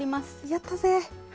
やったぜ！